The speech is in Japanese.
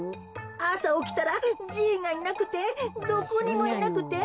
あさおきたらじいがいなくてどこにもいなくて。